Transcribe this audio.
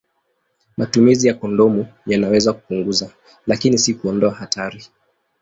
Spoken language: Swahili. Matumizi ya kondomu yanaweza kupunguza, lakini si kuondoa hatari.